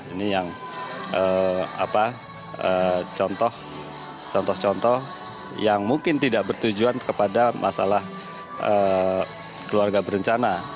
ini yang contoh contoh yang mungkin tidak bertujuan kepada masalah keluarga berencana